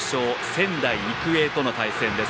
仙台育英との対戦です。